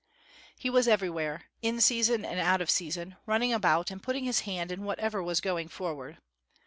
He was everywhere, in season and out of season, running about and putting his hand in whatever was going forward.